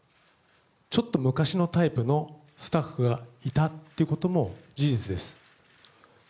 ちょっと昔のタイプのスタッフがいたということも事実です。